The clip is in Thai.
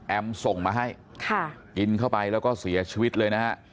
ส่งมาให้กินเข้าไปแล้วก็เสียชีวิตเลยนะฮะ